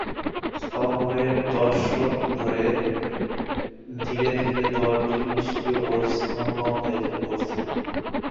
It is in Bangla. সত্তরের দশক ধরে ধীরে ধীরে দলটি নিস্ক্রিয় ও স্তিমিত হয়ে পড়ে।